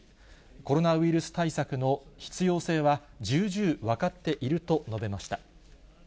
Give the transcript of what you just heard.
コロナウイルス対策の必要性は重々分かっていると述べました。